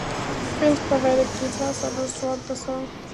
Prince provides guitar solos throughout the song.